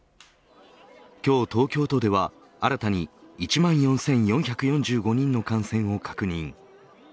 今日東京都では新たに１万４４４５人の感染を確認。